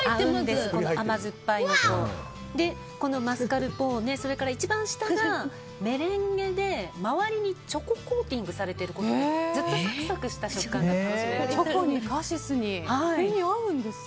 甘酸っぱいのとマスカルポーネ一番下がメレンゲで周りにチョココーティングされてることでずっとサクサクした食感が楽しめるんです。